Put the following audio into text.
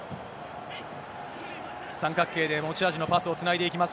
三角形で持ち味のパスをつないでいきます。